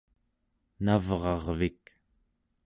navrarvik